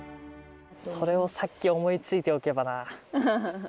それをさっき思いついておけばな。